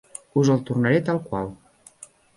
Us el tornaré tal qual.